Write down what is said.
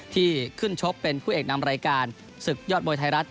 ที่ขึ้นชกเป็นผู้เอกนำรายการศึกยอดมวยไทยรัฐ